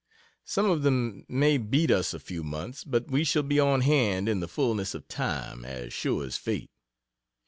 Some of them may beat us a few months, but we shall be on hand in the fullness of time, as sure as fate.